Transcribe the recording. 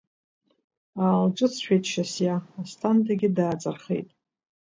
Аалҿыҵшәеит Шьасиа, Асҭандагьы дааҵархеит.